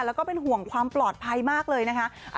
แล้วก็เป็นห่วงความปลอดภัยมากเลยนะคะ